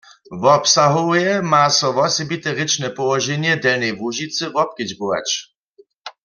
Wobsahowje ma so wosebite rěčne połoženje w Delnjej Łužicy wobkedźbować.